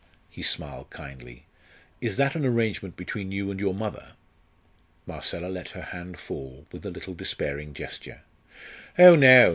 he smiled kindly "is that an arrangement between you and your mother?" Marcella let her hand fall with a little despairing gesture. "Oh no!"